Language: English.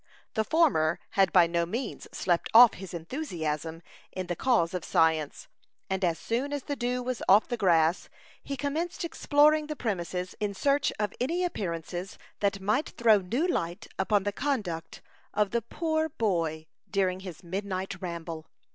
The former had by no means slept off his enthusiasm in the cause of science; and as soon as the dew was off the grass, he commenced exploring the premises, in search of any appearances that might throw new light upon the conduct of the "poor boy" during his midnight ramble.